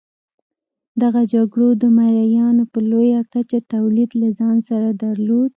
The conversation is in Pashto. دغو جګړو د مریانو په لویه کچه تولید له ځان سره درلود.